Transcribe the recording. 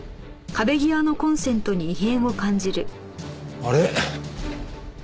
あれ？